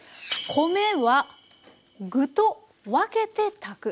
米は具と分けて炊く。